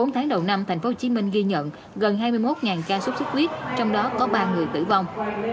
bốn tháng đầu năm thành phố hồ chí minh ghi nhận gần hai mươi một ca sốt sốt huyết trong đó có ba người tử vong